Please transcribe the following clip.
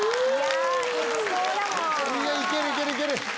いける、いける、いける！